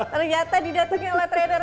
ternyata didatangin oleh trainer